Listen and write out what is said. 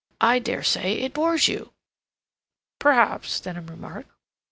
I dare say it bores you." "Perhaps," Denham remarked.